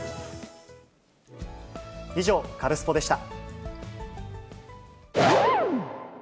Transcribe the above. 以上、カルスポっ！でした。